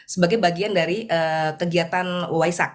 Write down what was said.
sebagai bagian dari kegiatan waisak